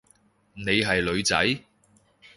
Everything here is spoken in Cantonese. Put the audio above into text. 你係女仔？